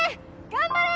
頑張れ！